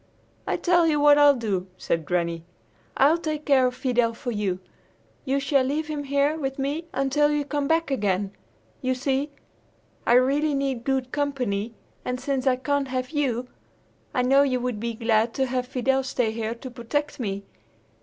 "I tell you what I'll do;" said Granny. "I'll take care of Fidel for you! You shall leave him here with me until you come back again! You see, I really need good company, and since I can't have you, I know you would be glad to have Fidel stay here to protect me.